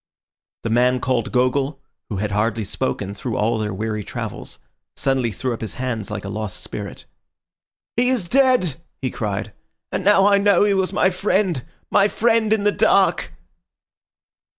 The man called Gogol, who had hardly spoken through all their weary travels, suddenly threw up his hands like a lost spirit. "He is dead!" he cried. "And now I know he was my friend—my friend in the dark!"